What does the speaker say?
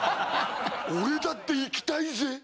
俺だっていきたいぜ！